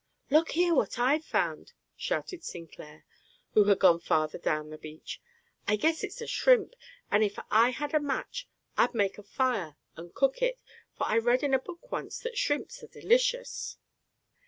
"Look here what I've found!" shouted Sinclair, who had gone farther down the beach. "I guess it's a shrimp. And if I had a match I'd make a fire and cook it, for I read in a book once that shrimps are delicious."